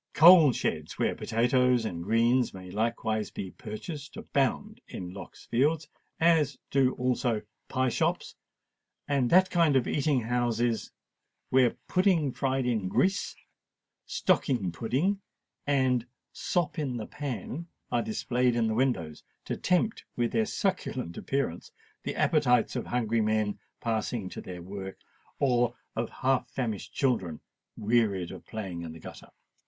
Coal sheds, where potatoes and greens may likewise be purchased, abound in Lock's Fields; as do also pie shops and that kind of eating houses where pudding fried in grease, stocking pudding, and sop in the pan are displayed in the windows, to tempt with their succulent appearance the appetites of hungry men passing to their work, or of half famished children wearied of playing in the gutter.